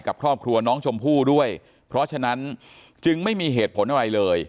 กับครอบครัวน้องชมพู่ด้วยเพราะฉะนั้นจึงไม่มีเหตุผลอะไรเลย